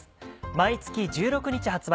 毎月１６日発売。